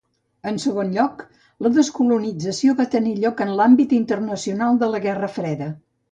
En segon lloc, la descolonització va tenir lloc en l'àmbit internacional de la Guerra Freda.